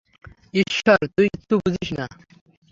ঈশ্বর, তুই কিচ্ছু বুঝিস না।